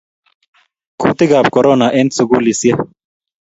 Kutikab korona eng sukulisiek